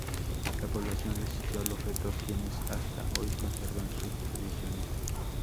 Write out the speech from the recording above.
La población resistió los retos quienes hasta hoy conservan sus tradiciones.